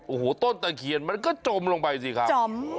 โอ้โหต้นตะเคียนมันก็จมลงไปสิครับจม